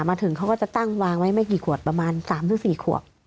มาถึงเขาก็จะตั้งวางไว้ไม่กี่ขวดประมาณ๓๔ขวบ